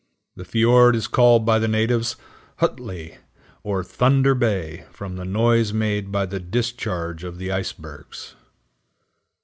The fiord is called by the natives "Hutli," or Thunder Bay, from the noise made by the discharge of the icebergs.